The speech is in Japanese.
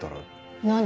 何？